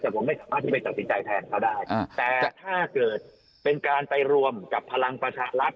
แต่ผมไม่สามารถที่ไปตัดสินใจแทนเขาได้แต่ถ้าเกิดเป็นการไปรวมกับพลังประชารัฐ